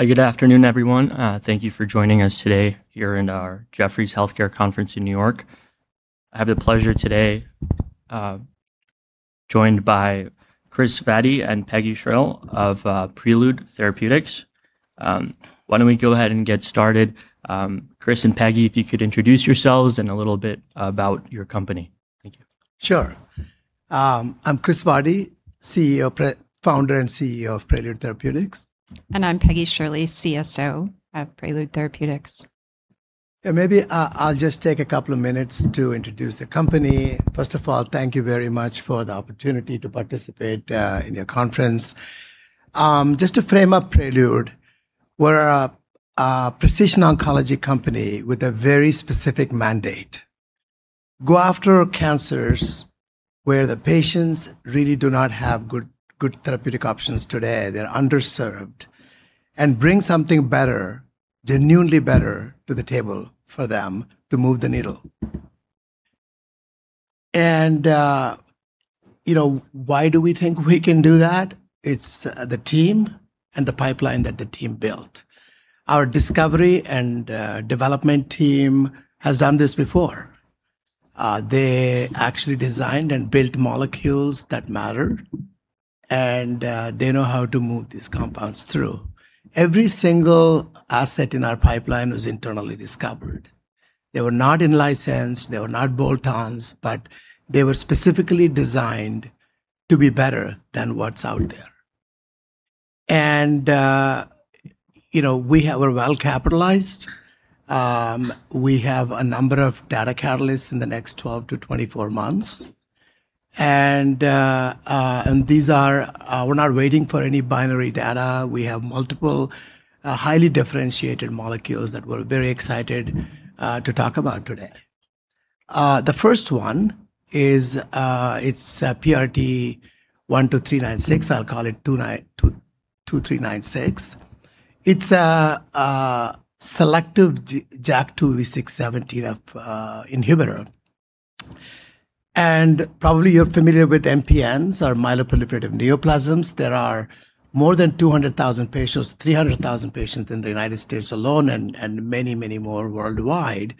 Good afternoon, everyone. Thank you for joining us today here in our Jefferies Healthcare Conference in New York. I have the pleasure today, joined by Kris Vaddi and Peggy Scherle of Prelude Therapeutics. Why don't we go ahead and get started? Kris and Peggy, if you could introduce yourselves and a little bit about your company. Thank you. Sure. I'm Kris Vaddi, Founder and CEO of Prelude Therapeutics. I'm Peggy Scherle, CSO at Prelude Therapeutics. Maybe I'll just take a couple of minutes to introduce the company. First of all, thank you very much for the opportunity to participate in your conference. Just to frame up Prelude, we're a precision oncology company with a very specific mandate. Go after cancers where the patients really do not have good therapeutic options today, they're underserved, and bring something better, genuinely better, to the table for them to move the needle. Why do we think we can do that? It's the team and the pipeline that the team built. Our discovery and development team has done this before. They actually designed and built molecules that matter, and they know how to move these compounds through. Every single asset in our pipeline was internally discovered. They were not in-license, they were not bolt-ons, but they were specifically designed to be better than what's out there. We're well-capitalized. We have a number of data catalysts in the next 12-24 months. We're not waiting for any binary data. We have multiple, highly differentiated molecules that we're very excited to talk about today. The first one is PRT12396. I'll call it 2396. It's a selective JAK2 V617F inhibitor. Probably you're familiar with MPNs or myeloproliferative neoplasms. There are more than 200,000 patients, 300,000 patients in the United States alone and many, many more worldwide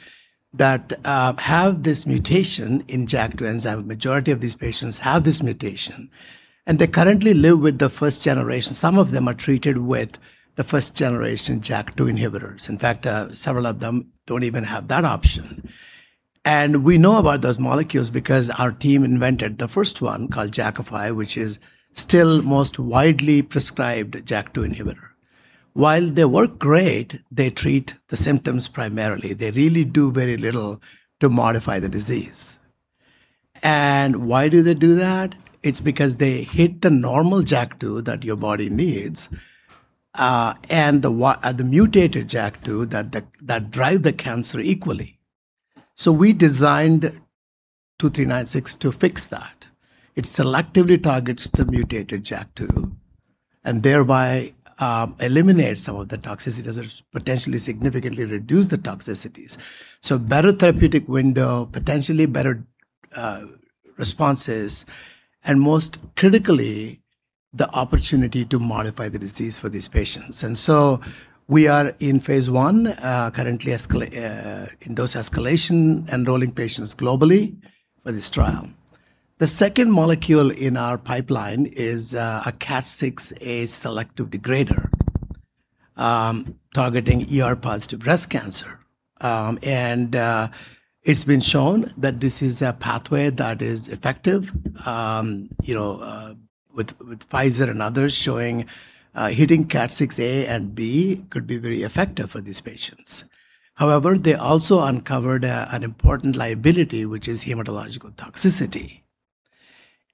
that have this mutation in JAK2 enzyme. Majority of these patients have this mutation, and they currently live with the first-generation. Some of them are treated with the first-generation JAK2 inhibitors. In fact, several of them don't even have that option. We know about those molecules because our team invented the first one called Jakafi, which is still most widely prescribed JAK2 inhibitor. While they work great, they treat the symptoms primarily. They really do very little to modify the disease. Why do they do that? It's because they hit the normal JAK2 that your body needs, and the mutated JAK2 that drive the cancer equally. We designed 2396 to fix that. It selectively targets the mutated JAK2 and thereby eliminates some of the toxicities or potentially significantly reduce the toxicities. Better therapeutic window, potentially better responses, and most critically, the opportunity to modify the disease for these patients. We are in phase I, currently in dose escalation, enrolling patients globally for this trial. The second molecule in our pipeline is a KAT6A selective degrader, targeting ER+ breast cancer. It's been shown that this is a pathway that is effective with Pfizer and others showing hitting KAT6A and B could be very effective for these patients. However, they also uncovered an important liability, which is hematological toxicity.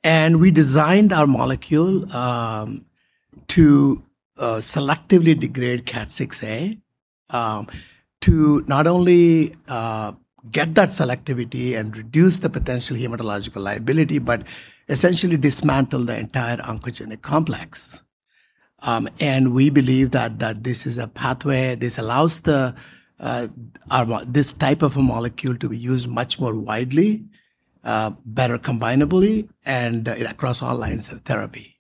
We designed our molecule to selectively degrade KAT6A to not only get that selectivity and reduce the potential hematological liability but essentially dismantle the entire oncogenic complex. We believe that this is a pathway. This allows this type of a molecule to be used much more widely, better combinably, and across all lines of therapy.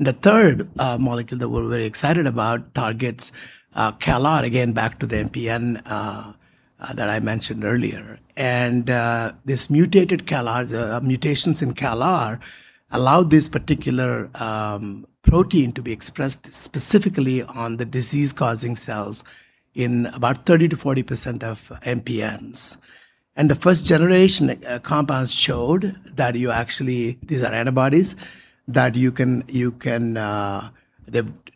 The third molecule that we're very excited about targets CALR, again, back to the MPN that I mentioned earlier. These mutations in CALR allow this particular protein to be expressed specifically on the disease-causing cells in about 30%-40% of MPNs. The first-generation compounds showed that you actually. These are antibodies. They've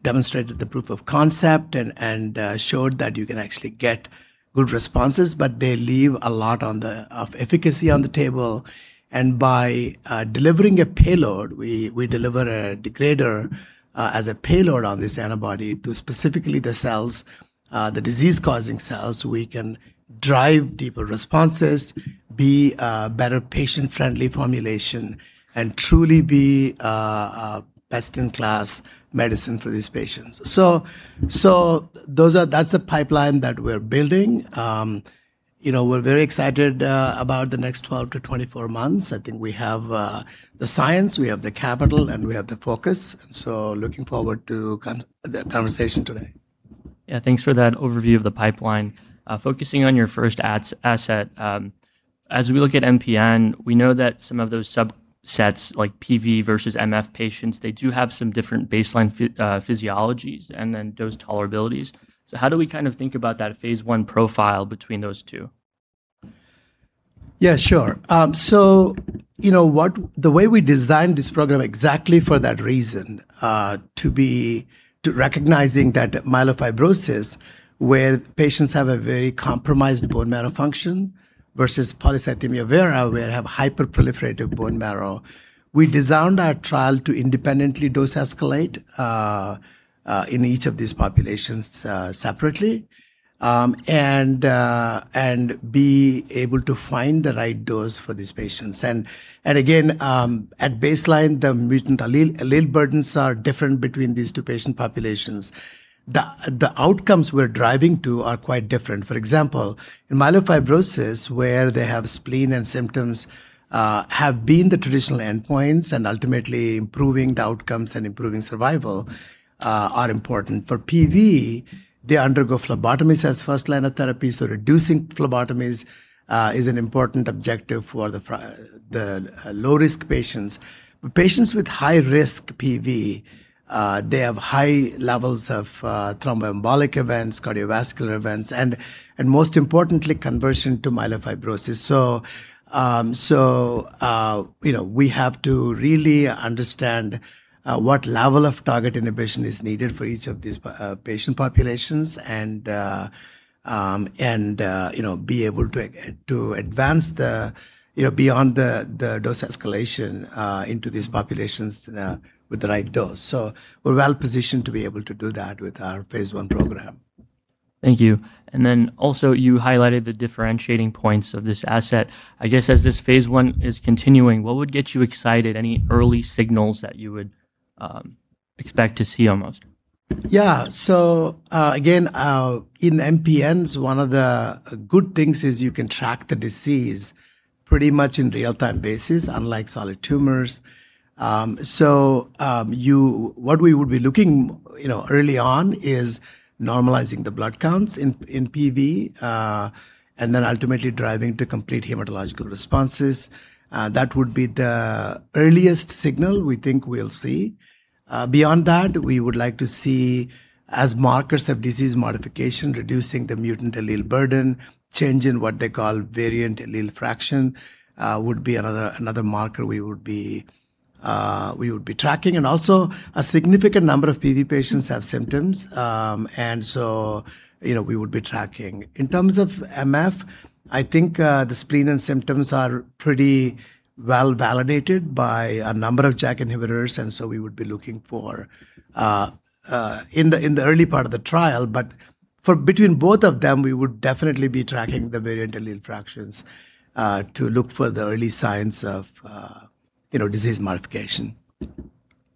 demonstrated the proof of concept and showed that you can actually get good responses, but they leave a lot of efficacy on the table. By delivering a payload, we deliver a degrader as a payload on this antibody to specifically the cells, the disease-causing cells, we can drive deeper responses, be a better patient-friendly formulation, and truly be a best-in-class medicine for these patients. That's a pipeline that we're building. We're very excited about the next 12-24 months. I think we have the science, we have the capital, and we have the focus. Looking forward to the conversation today. Yeah, thanks for that overview of the pipeline. Focusing on your first asset, as we look at MPN, we know that some of those subsets, like PV versus MF patients, they do have some different baseline physiologies and then dose tolerabilities. How do we think about that phase I profile between those two? Yeah, sure. The way we designed this program exactly for that reason, to recognizing that myelofibrosis, where patients have a very compromised bone marrow function versus polycythemia vera, where have hyperproliferative bone marrow. We designed our trial to independently dose escalate in each of these populations separately, and be able to find the right dose for these patients. Again, at baseline, the mutant allele burdens are different between these two patient populations. The outcomes we're driving to are quite different. For example, in myelofibrosis, where they have spleen and symptoms have been the traditional endpoints, and ultimately improving the outcomes and improving survival are important. For PV, they undergo phlebotomies as first-line therapy, so reducing phlebotomies is an important objective for the low-risk patients. Patients with high-risk PV, they have high levels of thromboembolic events, cardiovascular events, and most importantly, conversion to myelofibrosis. We have to really understand what level of target inhibition is needed for each of these patient populations and be able to advance beyond the dose escalation into these populations with the right dose. We're well-positioned to be able to do that with our phase I program. Thank you. Also, you highlighted the differentiating points of this asset. I guess as this phase I is continuing, what would get you excited? Any early signals that you would expect to see almost? Yeah. Again, in MPNs, one of the good things is you can track the disease pretty much in real-time basis, unlike solid tumors. What we would be looking early on is normalizing the blood counts in PV, ultimately driving to complete hematological responses. That would be the earliest signal we think we'll see. Beyond that, we would like to see as markers of disease modification, reducing the mutant allele burden, change in what they call variant allele fraction would be another marker we would be tracking. Also, a significant number of PV patients have symptoms, we would be tracking. In terms of MF, I think the spleen and symptoms are pretty well-validated by a number of JAK inhibitors, we would be looking for in the early part of the trial. For between both of them, we would definitely be tracking the variant allele fractions to look for the early signs of disease modification.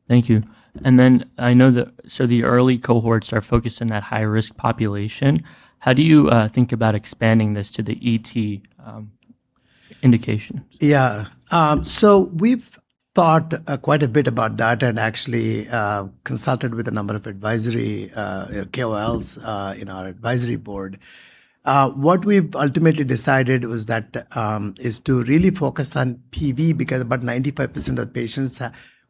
Thank you. Then I know that the early cohorts are focused on that high-risk population. How do you think about expanding this to the ET indications? Yeah. We've thought quite a bit about that and actually consulted with a number of KOLs in our Advisory Board. What we've ultimately decided is to really focus on PV because about 95% of patients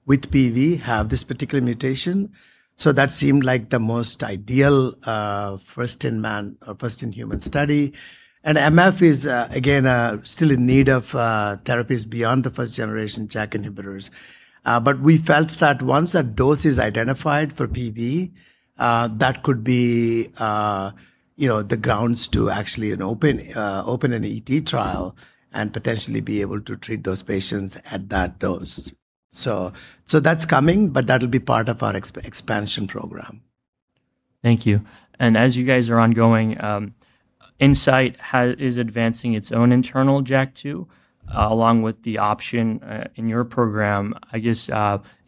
with PV have this particular mutation, so that seemed like the most ideal first-in-human study. MF is, again, still in need of therapies beyond the first-generation JAK inhibitors. We felt that once a dose is identified for PV, that could be the grounds to actually open an ET trial and potentially be able to treat those patients at that dose. That's coming, but that'll be part of our expansion program. Thank you. As you guys are ongoing, Incyte is advancing its own internal JAK2, along with the option in your program. I guess,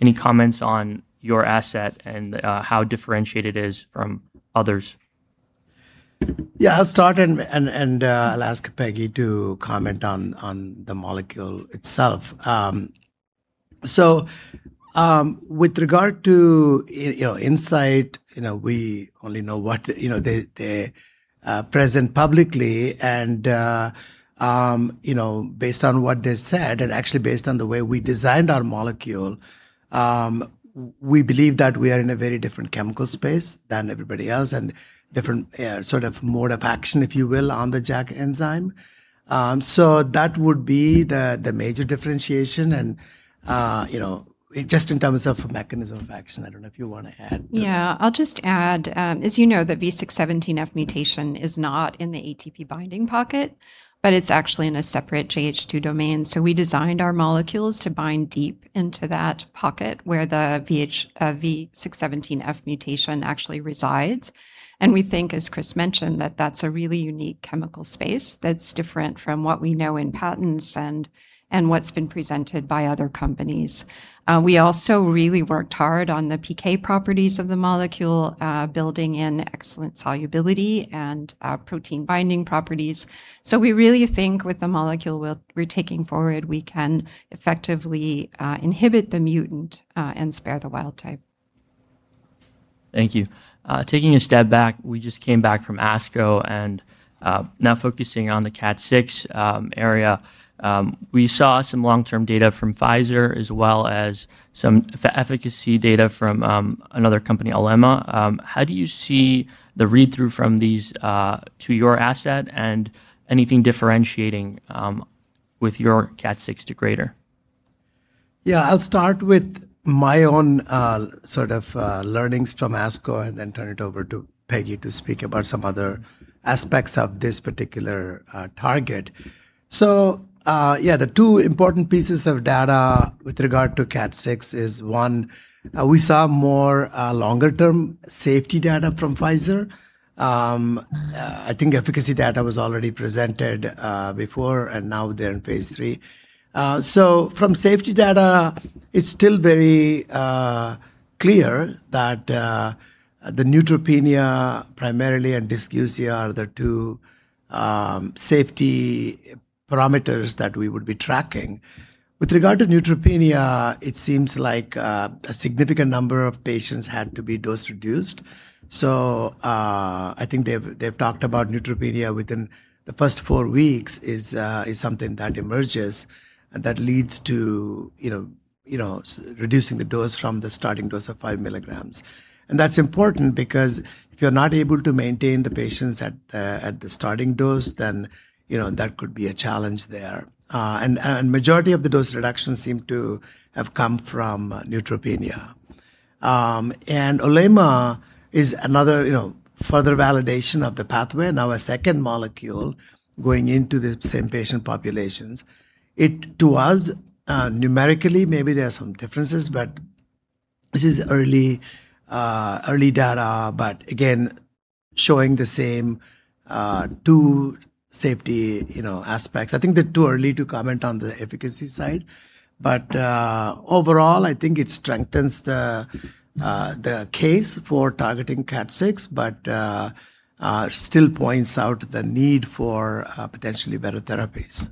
any comments on your asset and how differentiated it is from others? Yeah, I'll start, and I'll ask Peggy to comment on the molecule itself. With regard to Incyte, we only know what they present publicly and based on what they said, and actually based on the way we designed our molecule, we believe that we are in a very different chemical space than everybody else and different sort of mode of action, if you will, on the JAK enzyme. That would be the major differentiation and just in terms of mechanism of action, I don't know if you want to add. Yeah, I'll just add. As you know, the V617F mutation is not in the ATP binding pocket, but it's actually in a separate JH2 domain. We designed our molecules to bind deep into that pocket where the V617F mutation actually resides. We think, as Kris mentioned, that that's a really unique chemical space that's different from what we know in patents and what's been presented by other companies. We also really worked hard on the PK properties of the molecule, building in excellent solubility and protein binding properties. We really think with the molecule we're taking forward, we can effectively inhibit the mutant and spare the wild type. Thank you. Taking a step back, we just came back from ASCO and now focusing on the KAT6 area. We saw some long-term data from Pfizer as well as some efficacy data from another company, Olema. How do you see the read-through from these to your asset and anything differentiating with your KAT6 degrader? Yeah, I'll start with my own learnings from ASCO and then turn it over to Peggy to speak about some other aspects of this particular target. Yeah, the two important pieces of data with regard to KAT6 is, one, we saw more longer-term safety data from Pfizer. I think efficacy data was already presented before, and now they're in phase III. From safety data, it's still very clear that the neutropenia primarily and dysgeusia are the two safety parameters that we would be tracking. With regard to neutropenia, it seems like a significant number of patients had to be dose-reduced. I think they've talked about neutropenia within the first four weeks is something that emerges that leads to reducing the dose from the starting dose of 5 mg. That's important because if you're not able to maintain the patients at the starting dose, that could be a challenge there. Majority of the dose reductions seem to have come from neutropenia. Olema is another further validation of the pathway. Now a second molecule going into the same patient populations. It, to us, numerically, maybe there are some differences, but this is early data, but again, showing the same two safety aspects. I think they're too early to comment on the efficacy side. Overall, I think it strengthens the case for targeting KAT6, but still points out the need for potentially better therapies.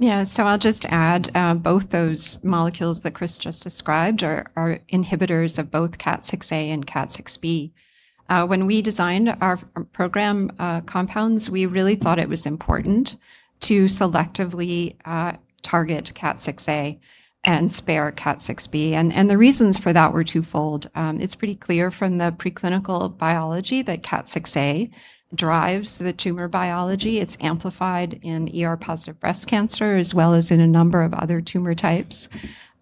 Yeah. I'll just add, both those molecules that Kris just described are inhibitors of both KAT6A and KAT6B. When we designed our program compounds, we really thought it was important to selectively target KAT6A and spare KAT6B, and the reasons for that were twofold. It's pretty clear from the preclinical biology that KAT6A drives the tumor biology. It's amplified in ER+ breast cancer as well as in a number of other tumor types,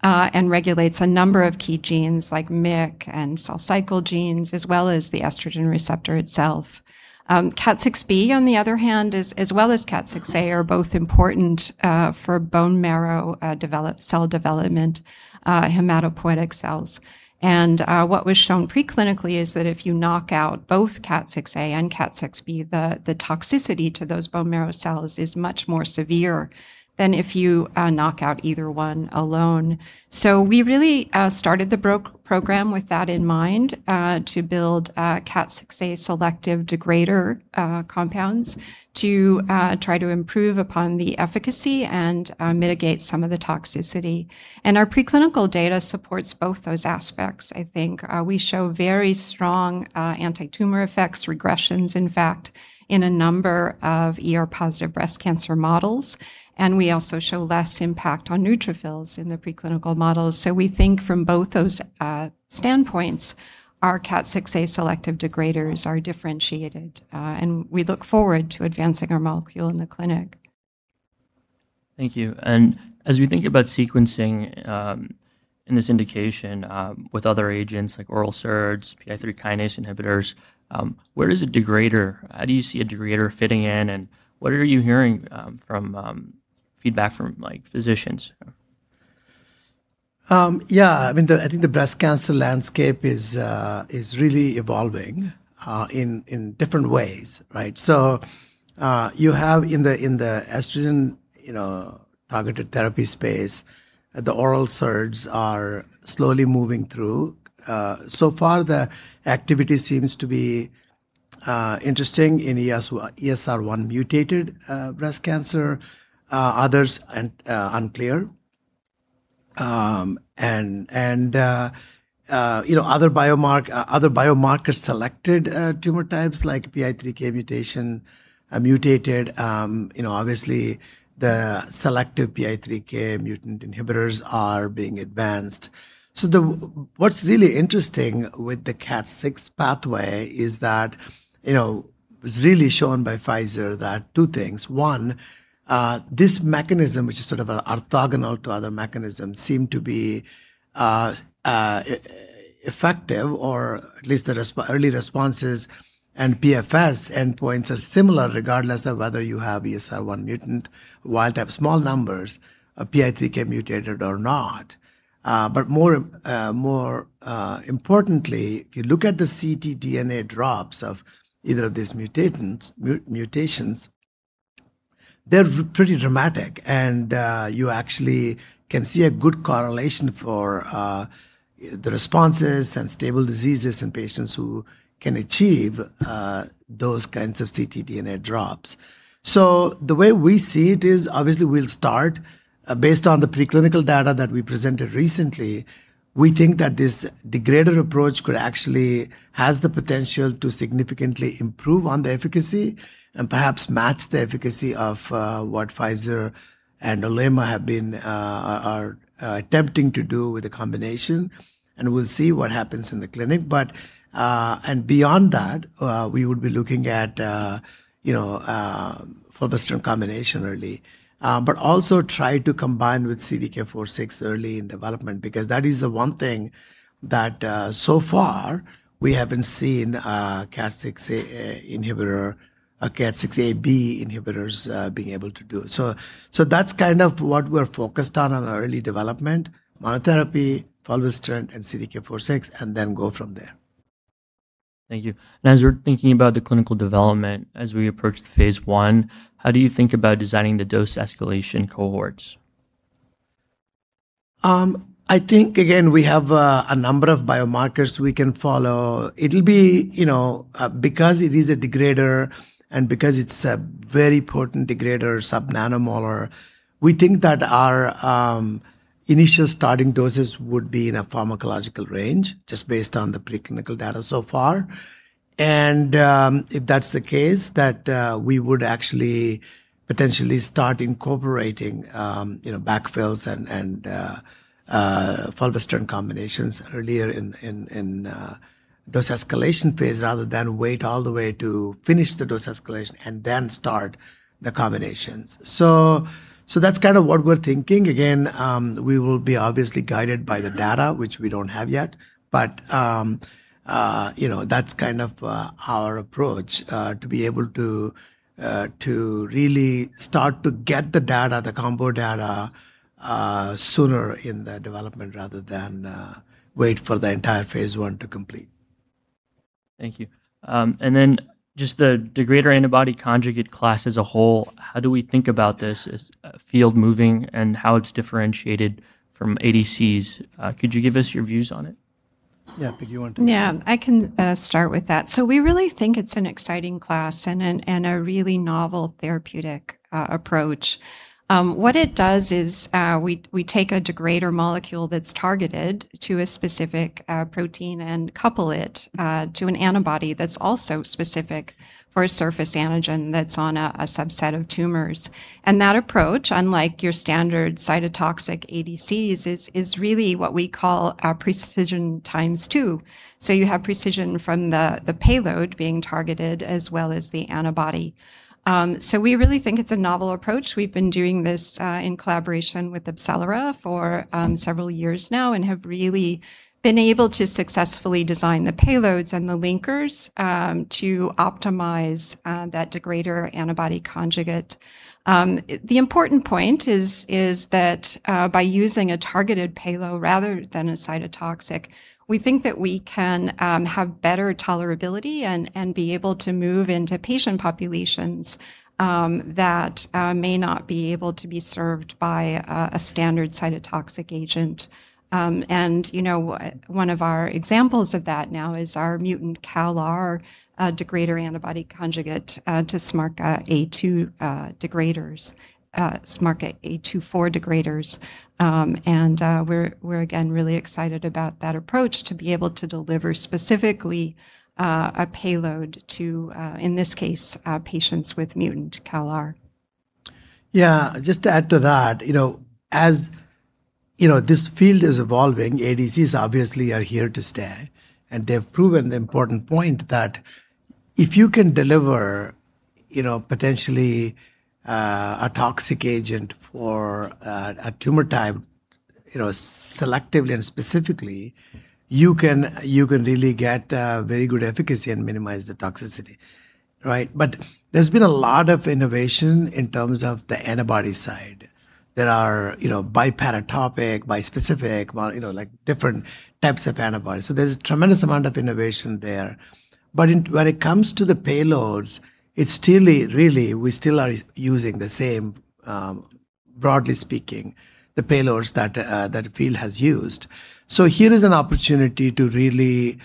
and regulates a number of key genes like MYC and cell cycle genes, as well as the estrogen receptor itself. KAT6B, on the other hand, as well as KAT6A, are both important for bone marrow cell development, hematopoietic cells. What was shown preclinically is that if you knock out both KAT6A and KAT6B, the toxicity to those bone marrow cells is much more severe than if you knock out either one alone. We really started the program with that in mind, to build KAT6A selective degrader compounds to try to improve upon the efficacy and mitigate some of the toxicity. Our preclinical data supports both those aspects, I think. We show very strong anti-tumor effects, regressions, in fact, in a number of ER+ breast cancer models, and we also show less impact on neutrophils in the preclinical models. We think from both those standpoints, our KAT6A selective degraders are differentiated. We look forward to advancing our molecule in the clinic. Thank you. As we think about sequencing in this indication with other agents like oral SERDs, PI3K inhibitors, how do you see a degrader fitting in, and what are you hearing from feedback from physicians? Yeah. I think the breast cancer landscape is really evolving in different ways, right? You have in the estrogen-targeted therapy space, the oral SERDs are slowly moving through. So far, the activity seems to be interesting in ESR1-mutated breast cancer, others unclear. Other biomarker-selected tumor types like PI3K mutated, obviously the selective PI3K mutant inhibitors are being advanced. What's really interesting with the KAT6 pathway is that it was really shown by Pfizer that two things. One, this mechanism, which is sort of orthogonal to other mechanisms, seem to be effective, or at least the early responses and PFS endpoints are similar, regardless of whether you have ESR1-mutant, wild-type, small numbers, PI3K mutated or not. More importantly, if you look at the ctDNA drops of either of these mutations, they're pretty dramatic, and you actually can see a good correlation for the responses and stable diseases in patients who can achieve those kinds of ctDNA drops. The way we see it is, obviously we'll start based on the preclinical data that we presented recently. We think that this degrader approach could actually has the potential to significantly improve on the efficacy and perhaps match the efficacy of what Pfizer and Olema have been attempting to do with the combination, and we'll see what happens in the clinic. Beyond that, we would be looking at fulvestrant combination early. Also try to combine with CDK4/6 early in development, because that is the one thing that, so far we haven't seen a KAT6A inhibitor, a KAT6A/B inhibitors, being able to do. That's what we're focused on early development, monotherapy, fulvestrant, and CDK4/6, and then go from there. Thank you. As we're thinking about the clinical development, as we approach the phase I, how do you think about designing the dose escalation cohorts? I think, again, we have a number of biomarkers we can follow. It'll be, because it is a degrader and because it's a very potent degrader, sub-nanomolar, we think that our initial starting doses would be in a pharmacological range, just based on the preclinical data so far. If that's the case, that we would actually potentially start incorporating backfills and fulvestrant combinations earlier in dose escalation phase, rather than wait all the way to finish the dose escalation and then start the combinations. That's what we're thinking. Again, we will be obviously guided by the data, which we don't have yet. That's our approach, to be able to really start to get the data, the combo data, sooner in the development, rather than wait for the entire phase I to complete. Thank you. Just the degrader-antibody conjugate class as a whole, how do we think about this as a field moving and how it's differentiated from ADCs? Could you give us your views on it? Yeah. Peggy, you want to take that? I can start with that. We really think it's an exciting class and a really novel therapeutic approach. What it does is, we take a degrader molecule that's targeted to a specific protein and couple it to an antibody that's also specific for a surface antigen that's on a subset of tumors. That approach, unlike your standard cytotoxic ADCs, is really what we call our precision times two. You have precision from the payload being targeted as well as the antibody. We really think it's a novel approach. We've been doing this in collaboration with AbCellera for several years now and have really been able to successfully design the payloads and the linkers to optimize that degrader antibody conjugate. The important point is that, by using a targeted payload rather than a cytotoxic, we think that we can have better tolerability and be able to move into patient populations that may not be able to be served by a standard cytotoxic agent. One of our examples of that now is our mutant CALR degrader antibody conjugate to SMARCA2 degraders, SMARCA2/4 degraders. We're again really excited about that approach to be able to deliver specifically a payload to, in this case, patients with mutant CALR. Yeah, just to add to that, as this field is evolving, ADCs obviously are here to stay, and they've proven the important point that if you can deliver potentially a toxic agent for a tumor type selectively and specifically, you can really get very good efficacy and minimize the toxicity. Right? There's been a lot of innovation in terms of the antibody side, that are biparatopic, bispecific, different types of antibodies. There's a tremendous amount of innovation there. When it comes to the payloads, it's still really, we still are using the same, broadly speaking, the payloads that the field has used. Here is an opportunity to really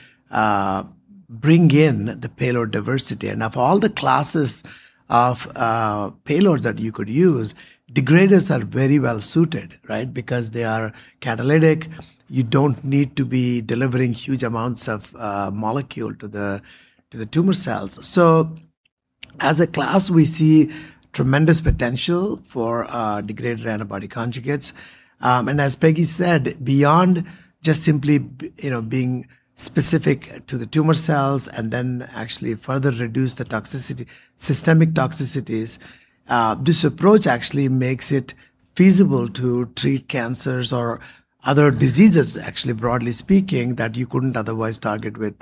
bring in the payload diversity. Of all the classes of payloads that you could use, degraders are very well-suited, right? Because they are catalytic. You don't need to be delivering huge amounts of molecule to the tumor cells. As a class, we see tremendous potential for degrader-antibody conjugates. As Peggy said, beyond just simply being specific to the tumor cells and then actually further reduce the toxicity, systemic toxicities, this approach actually makes it feasible to treat cancers or other diseases, actually, broadly speaking, that you couldn't otherwise target with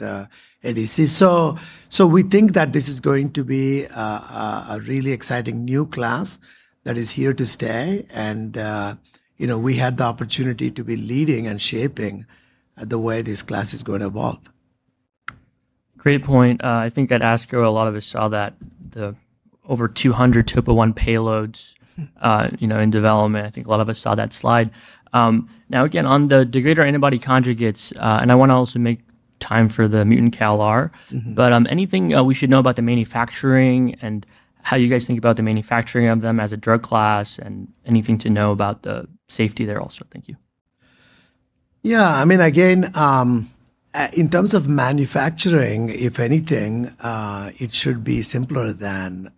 ADC. We think that this is going to be a really exciting new class that is here to stay and we had the opportunity to be leading and shaping the way this class is going to evolve. Great point. I think at ASCO, a lot of us saw that, the over 200 TROP1 payloads in development. I think a lot of us saw that slide. Now again, on the degrader-antibody conjugates, and I want to also make time for the mutant CALR. Anything we should know about the manufacturing, and how you guys think about the manufacturing of them as a drug class, and anything to know about the safety there also? Thank you. Yeah. Again, in terms of manufacturing, if anything, it should be simpler than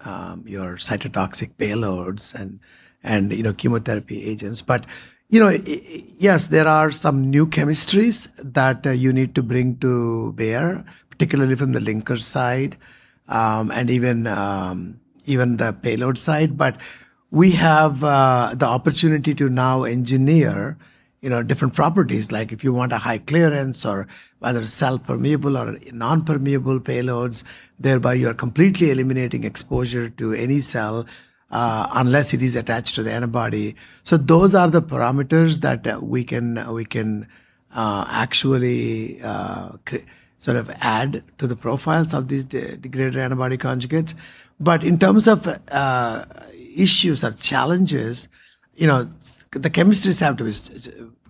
your cytotoxic payloads and chemotherapy agents. Yes, there are some new chemistries that you need to bring to bear, particularly from the linker side, and even the payload side. We have the opportunity to now engineer different properties. Like if you want a high clearance or whether cell permeable or non-permeable payloads, thereby you're completely eliminating exposure to any cell, unless it is attached to the antibody. Those are the parameters that we can actually add to the profiles of these degrader-antibody conjugates. In terms of issues or challenges, the chemistries have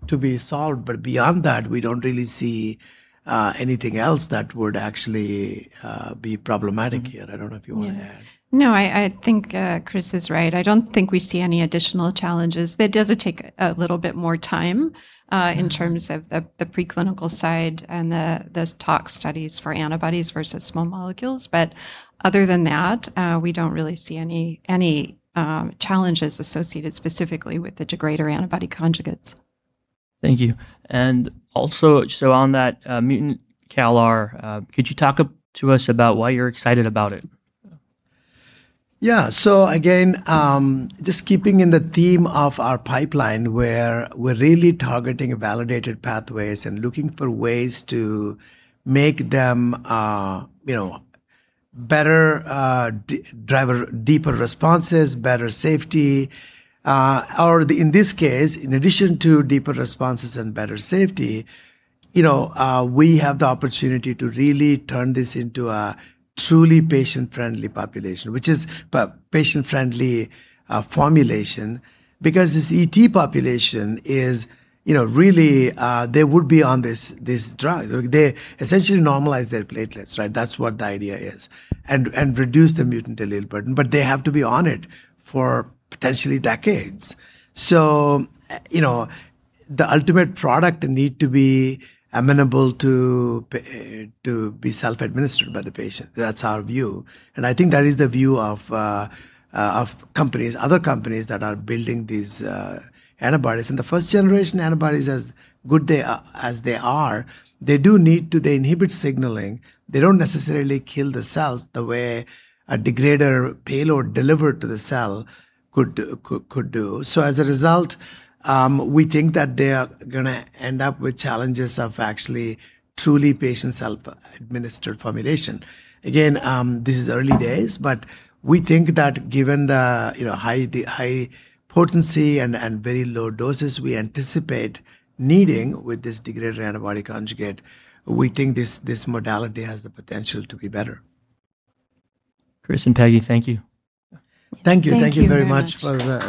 to be solved, but beyond that, we don't really see anything else that would actually be problematic here. I don't know if you want to add. No, I think Kris is right. I don't think we see any additional challenges. That does take a little bit more time in terms of the preclinical side and the tox studies for antibodies versus small molecules. Other than that, we don't really see any challenges associated specifically with the degrader-antibody conjugates. Thank you. On that mutant CALR, could you talk to us about why you're excited about it? Again, just keeping in the theme of our pipeline where we're really targeting validated pathways and looking for ways to make them better, drive deeper responses, better safety. In this case, in addition to deeper responses and better safety, we have the opportunity to really turn this into a truly patient-friendly population, which is patient-friendly formulation. This ET population is, really, they would be on this drug. They essentially normalize their platelets, right? That's what the idea is, and reduce the mutant allele burden. They have to be on it for potentially decades. The ultimate product need to be amenable to be self-administered by the patient. That's our view, and I think that is the view of other companies that are building these antibodies. The first-generation antibodies as good as they are, they inhibit signaling. They don't necessarily kill the cells the way a degrader payload delivered to the cell could do. As a result, we think that they are going to end up with challenges of actually truly patient self-administered formulation. Again, this is early days, but we think that given the high potency and very low doses we anticipate needing with this degrader-antibody conjugate, we think this modality has the potential to be better. Kris and Peggy, thank you. Thank you. Thank you very much. Thank you very much for the.